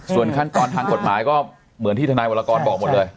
ส่วนขั้นตอนทางกฎหมายก็เหมือนที่ทนายวรกรบอกหมดเลย